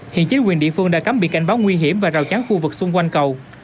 hiện chính quyền địa phương đã cắm bị cảnh báo nguy hiểm và rào chắn khu vực xung quanh cầu